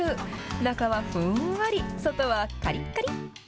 中はふんわり、外はかりっかり。